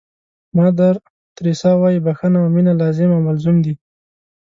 مادر تریسیا وایي بښنه او مینه لازم او ملزوم دي.